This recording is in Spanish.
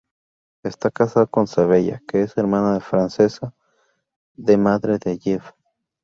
Está casado con Sabella, que es hermana de Francesca, la madre de Jeff.